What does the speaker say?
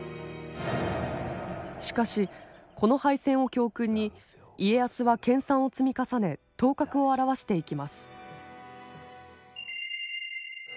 しかしこの敗戦を教訓に家康は研さんを積み重ね頭角を現していきます。